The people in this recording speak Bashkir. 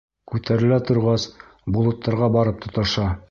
Күтәрелә торғас, болоттарға барып тоташа.